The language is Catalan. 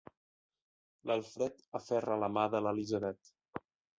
L'Alfred aferra la mà de l'Elisabet.